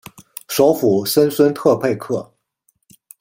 首府森孙特佩克。